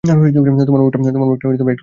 তোমার মুখটা একটু লাল দেখাইতেছে বটে।